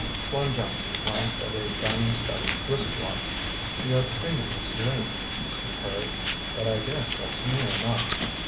Slim Johnson glanced at a diamond studded wristwatch. "You're three minutes late," he purred, "but I guess that's near enough.